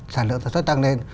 sản lượng sản xuất tăng lên